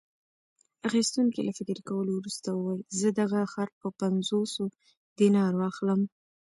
اخیستونکي له فکر کولو وروسته وویل: زه دغه خر په پنځوسو دینارو اخلم.